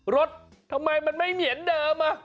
รถทำไมไม่เหมียนเดิม